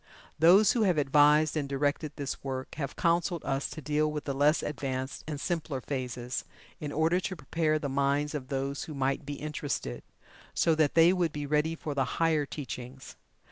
Those who have advised and directed this work have counseled us to deal with the less advanced and simpler phases, in order to prepare the minds of those who might be interested, so that they would be ready for the higher teachings.